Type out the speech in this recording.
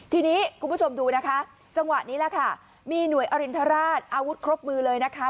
ทีนี้คุณผู้ชมดูนะคะจังหวะนี้แหละค่ะมีหน่วยอรินทราชอาวุธครบมือเลยนะคะ